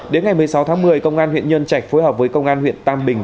đến ngày một mươi sáu tháng một mươi công an huyện nhân trạch phối hợp với công an huyện tam bình